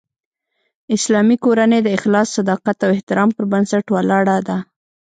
اسلامي کورنۍ د اخلاص، صداقت او احترام پر بنسټ ولاړه ده